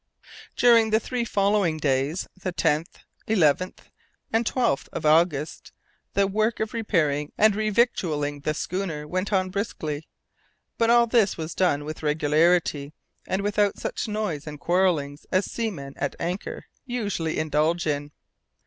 During the three following days, the 10th, 11th, and 12th of August, the work of repairing and re victualling the schooner went on briskly; but all this was done with regularity, and without such noise and quarrelling as seamen at anchor usually indulge in.